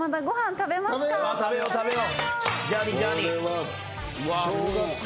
食べよう食べよう。